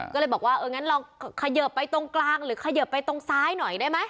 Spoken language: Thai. ก็เลยบอกว่าเอองั้นลองเขยิบไปตรงกลางหรือเขยิบไปตรงซ้ายหน่อยได้ไหม